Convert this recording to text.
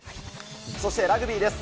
そしてラグビーです。